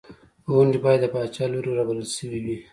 غونډې باید د پاچا له لوري رابلل شوې وې.